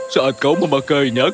saat kau memakainya kau bisa memakainya